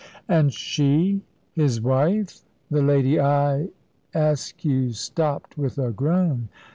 "And she his wife the lady I " Askew stopped with a groan.